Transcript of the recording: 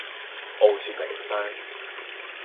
傲雪淩霜